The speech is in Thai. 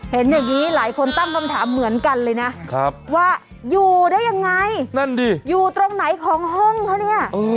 เห็นอย่างนี้หลายคนตั้งคำถามเหมือนกันเลยนะว่าอยู่ได้ยังไงนั่นดิอยู่ตรงไหนของห้องคะเนี่ย